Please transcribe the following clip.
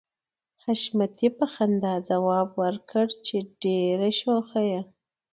حشمتي په خندا ځواب ورکړ چې ته ډېره شوخه يې